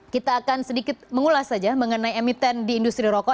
kita akan sedikit mengulas saja mengenai emiten di industri rokok